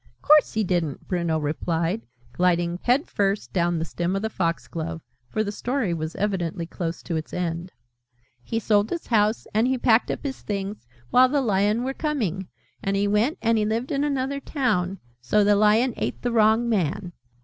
"Course he didn't!" Bruno replied, gliding head first down the stem of the fox glove, for the Story was evidently close to its end. "He sold his house, and he packed up his things, while the Lion were coming. And he went and he lived in another town. So the Lion ate the wrong man."